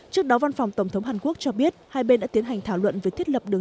trước đó văn phòng tổng thống hàn quốc cho biết hai bên đã tiến hành thảo luận về thiết lập đường